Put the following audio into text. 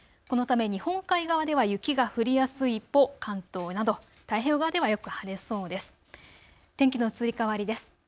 このため日本海側では雪が降りやすい一方、関東など太平洋側ではよく晴れそうです。